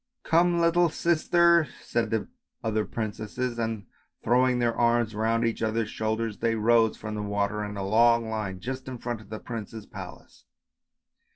" Come, little sister! " said the other princesses, and, throw ing their arms round each other's shoulders, they rose from the water in a long line, just in front of the prince's palace.